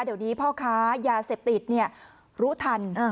เดี๋ยวนี้พ่อค้ายาเสพติดรู้ทัน